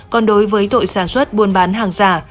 còn đối với tội sản xuất buôn bán hàng giả